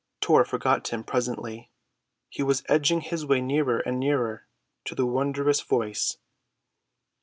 Tor forgot him presently. He was edging his way nearer and nearer to the wondrous Voice.